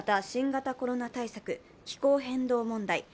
新型コロナ対策気候変動問題